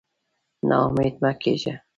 نا امېد مه کېږه.